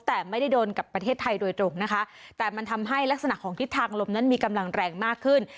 แต่ไม่ได้โดนกับประเทศไทยโดยตรงนะคะแต่มันทำให้ลักษณะของทิศทางลมนั้นมีกำลังแรงมากขึ้น